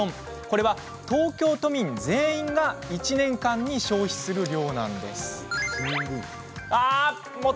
これは東京都民全員が１年間に消費する量なんです。